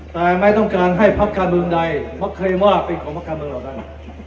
แต่ไม่ต้องการให้พักการเมืองใดเพราะเคยว่าเป็นของพักการเมืองเหล่านั้น